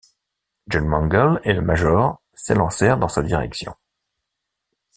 John Mangles et le major s’élancèrent dans sa direction.